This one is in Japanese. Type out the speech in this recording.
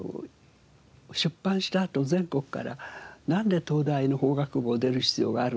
出版したあと全国から「なんで東大の法学部を出る必要があるんだ」と。